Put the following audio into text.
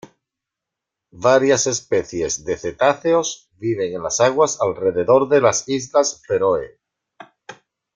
Varias especies de cetáceos viven en las aguas alrededor de las islas Feroe.